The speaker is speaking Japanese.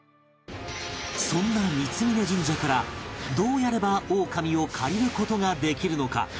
そんな三峯神社からどうやればオオカミを借りる事ができるのか？